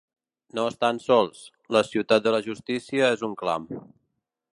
No estan sols, la ciutat de la justícia és un clam.